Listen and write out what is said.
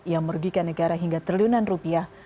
yang merugikan negara hingga triliunan rupiah